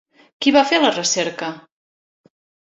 Qui va fer la recerca?